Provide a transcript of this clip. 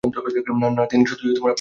না, তিনি সত্যিই আপনার প্রশংসা করেছেন।